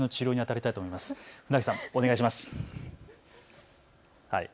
船木さんお願いします。